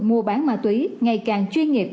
mua bán ma túy ngày càng chuyên nghiệp